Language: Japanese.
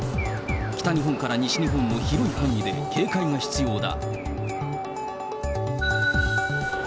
北日本から西日本の広い範囲で警戒が必要だ。